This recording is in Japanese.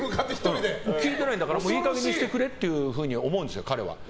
聞いてないんだからいい加減にしてくれって思うんですよ、彼は。